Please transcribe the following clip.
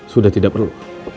sudah tidak perlu